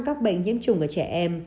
các bệnh nhiễm chủng của trẻ em